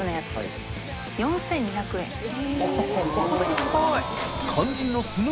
すごい。